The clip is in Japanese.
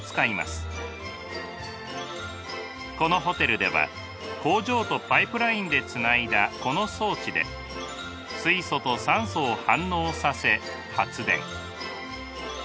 このホテルでは工場とパイプラインでつないだこの装置で水素と酸素を反応させ発電。